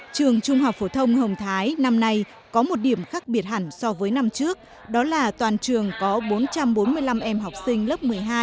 trường trung học phổ thông hồng thái năm nay có một điểm khác biệt hẳn so với năm trước đó là toàn trường có bốn trăm bốn mươi năm em học sinh lớp một mươi hai